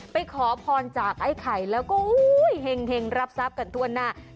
ไปขอพรจากไอ้ไข่แล้วก็เหงรับทรัพย์หน่อย